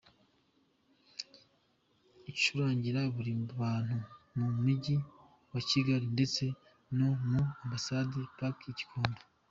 Icurangira muri Bambu mu mujyi wa Kigali ndetse no muri ambasadazi Paki i Gikondo.